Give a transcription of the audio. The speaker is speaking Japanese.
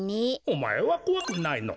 おまえはこわくないのか？